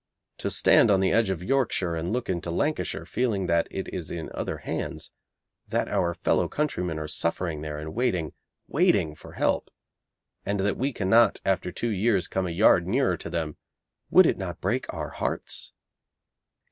To stand on the edge of Yorkshire and look into Lancashire feeling that it is in other hands, that our fellow countrymen are suffering there and waiting, waiting, for help, and that we cannot, after two years, come a yard nearer to them would it not break our hearts?